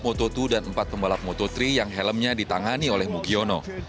moto dua dan empat pembalap moto tiga yang helmnya ditangani oleh mugiono